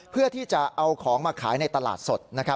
เพื่อที่จะเอาของมาขายในตลาดสด